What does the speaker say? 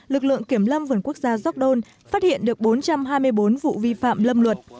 lực lượng kiểm lâm vườn quốc gia gióc đôn phát hiện được bốn trăm hai mươi bốn vụ vi phạm lâm luật